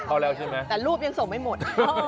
เข้าแล้วแต่รูปยังส่งไม่หมด